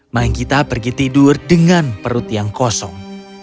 manggita pergi tidur dengan perut yang kosong